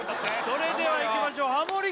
それではいきましょうハモリ